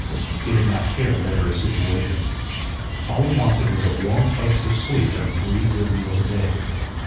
He did not care to better his situation. All he wanted was a warm place to sleep and three good meals a day.